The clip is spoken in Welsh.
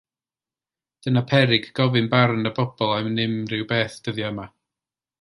Dyna peryg gofyn barn y bobol am unrhyw beth dyddie 'ma.